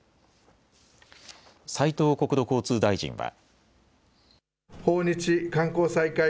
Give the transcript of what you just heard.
斉藤国土交通大臣は。